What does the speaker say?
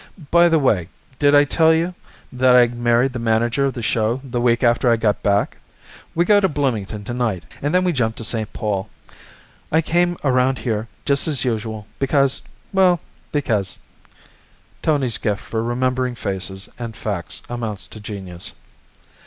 "By the way, did I tell you that I married the manager of the show the week after I got back? We go to Bloomington to night, and then we jump to St. Paul. I came around here just as usual, because well because " Tony's gift for remembering faces and facts amounts to genius.